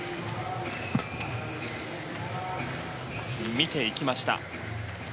見ていきました。